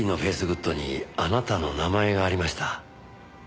グッドにあなたの名前がありました。